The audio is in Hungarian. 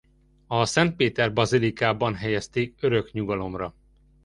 A Szent Péter-bazilikában helyezték örök nyugalomra.